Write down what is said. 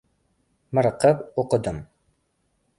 Miriqib oʻqidim.